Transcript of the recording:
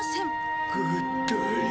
ぐったり。